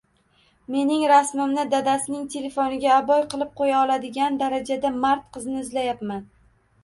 Mening rasmimni dadasining telefoniga oboy qilib qo'ya oladigan darajada mard qiz izlayapman...